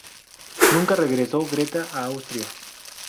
Nunca regresó Greta a Austria.